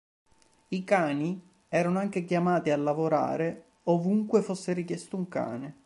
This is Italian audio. I cani erano anche chiamati a lavorare ovunque fosse richiesto un cane.